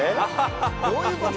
・どういうこと？